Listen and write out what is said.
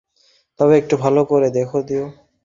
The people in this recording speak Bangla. তবে একটু ভাল করে দেখে দিও।